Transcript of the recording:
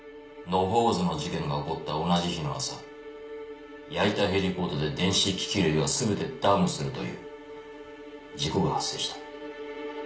・野放図の事件が起こった同じ日の朝矢板ヘリポートで電子機器類が全てダウンするという事故が発生した。